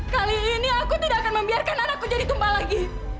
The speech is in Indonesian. kali ini aku tidak akan membiarkan anakku jadi tumpah lagi